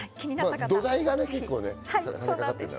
土台が結構ね。